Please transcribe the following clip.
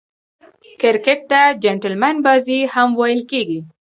کرکټ ته "جېنټلمن بازي" هم ویل کیږي.